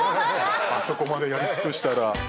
あそこまでやり尽くしたら。